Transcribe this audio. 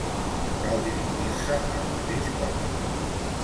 Cal dirigir-se al mateix poble.